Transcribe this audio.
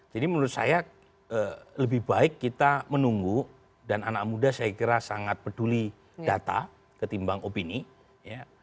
jadi menurut saya lebih baik kita menunggu dan anak muda saya kira sangat peduli data ketimbang opini ya